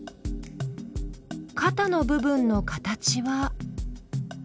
かたの部分の形は？